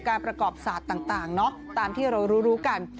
ประกอบศาสตร์ต่างตามที่เรารู้กัน